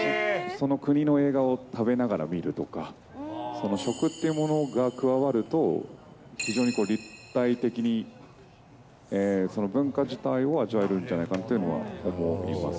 その国の映画を食べながら見るとか、その食というものが加わると、非常に立体的にその文化自体を味わえるんじゃないかなというのは思います。